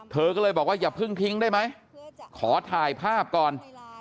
เธอก็เลยบอกว่าอย่าเพิ่งทิ้งได้ไหมขอถ่ายภาพก่อน